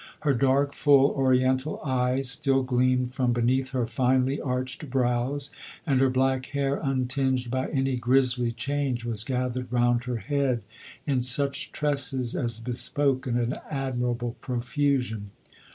Her dark full orien tal eyes still gleamed from beneath her finely arched brows, and her black hair, un tinged by any grizzly change, was gathered round her head in such tresses as bespoke an admirable profusion.